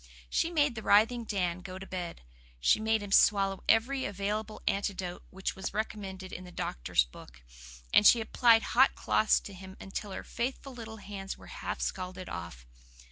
She made the writhing Dan go to bed. She made him swallow every available antidote which was recommended in "the doctor's book;" and she applied hot cloths to him until her faithful little hands were half scalded off.